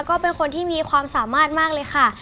ก็เป็นคนที่มีความสามารถมากเลยค่ะ